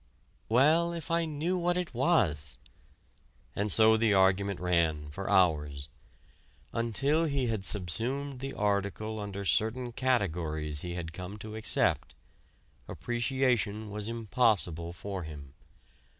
"Well, if I knew what it was...." And so the argument ran for hours. Until he had subsumed the article under certain categories he had come to accept, appreciation was impossible for him.